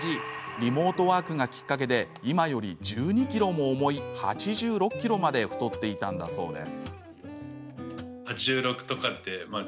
リモートワークがきっかけで今より１２ｋｇも重い８６ｋｇまで太っていたんだそうです。